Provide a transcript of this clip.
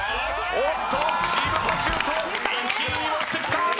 おっとチームパシュートを１位に持ってきた！